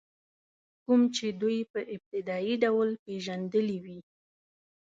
کوم چې دوی په ابتدایي ډول پېژندلي وي.